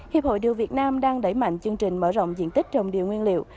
hiệp hội điều việt nam đang đẩy mạnh chương trình mở rộng diện tích trồng điều nguyên liệu